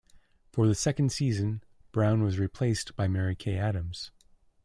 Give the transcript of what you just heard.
For the second season, Brown was replaced by Mary Kay Adams.